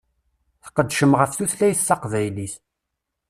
Tqeddcem ɣef tutlayt taqbaylit.